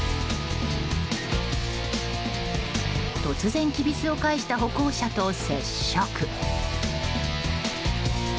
突然、きびすを返した歩行者と接触。